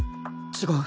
違う。